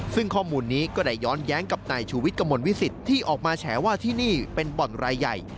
ซึ่งข้อมูลนี้ก็ได้ย้อนแย้งกับนายชูวิทย์กระมวลวิสิตที่ออกมาแฉว่าที่นี่เป็นบ่อนรายใหญ่